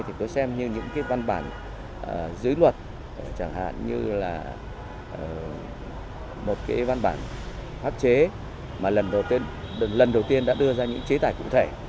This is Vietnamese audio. thì tôi xem như những cái văn bản dưới luật chẳng hạn như là một cái văn bản phát chế mà lần đầu tiên đã đưa ra những chế tài cụ thể